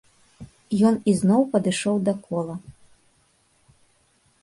Ён ізноў падышоў да кола.